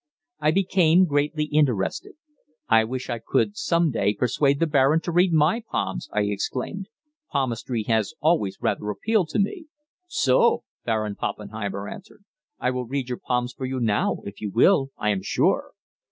I became greatly interested. "I wish I could some day persuade the Baron to read my palms," I exclaimed, "Palmistry has always rather appealed to me." "So?" Baron Poppenheimer answered. "I will read your palms for you now, if you will, I am sure."